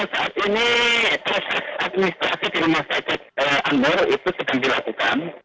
saat ini tes administrasi di rumah saya pak amun itu sedang dilakukan